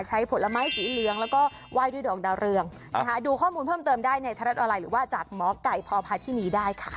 ใช้ผลไม้สีเหลืองแล้วก็ไหว้ด้วยดอกดาเรืองดูข้อมูลเพิ่มเติมได้ในทรัศอลัยหรือว่าจากหมอกไก่พอพาที่นี้ได้ค่ะ